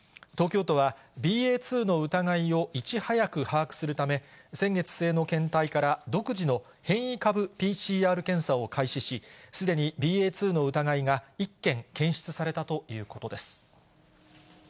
東京都は、ＢＡ．２の疑いをいち早く把握するため、先月末の検体から、独自の変異株ＰＣＲ検査を開始し、すでにＢＡ．２の疑いが１件検出されたということです。